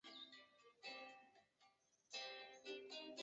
本列表为中华民国及中华人民共和国驻老挝历任大使名录。